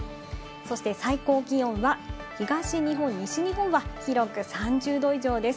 そして最高気温は東日本、西日本は広く３０度以上です。